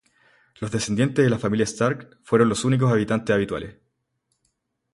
Los descendientes de la familia Stark fueron los únicos habitantes habituales.